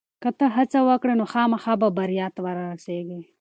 که ته هڅه وکړې نو خامخا به بریا ته ورسېږې.